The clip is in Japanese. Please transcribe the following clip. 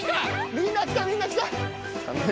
みんな来たみんな来た！